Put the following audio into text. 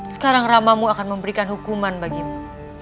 sekarang ramamu akan memberikan hukuman bagimu